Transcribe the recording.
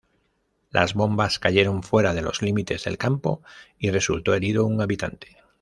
Las bombas cayeron fuera de los límites del campo y resultó herido un habitante.